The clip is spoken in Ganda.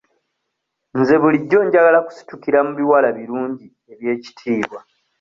Nze bulijjo njagala kusitukira mu biwala birungi eby'ekitiibwa.